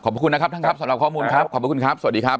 ขอบคุณนะครับท่านครับสำหรับข้อมูลครับขอบคุณครับสวัสดีครับ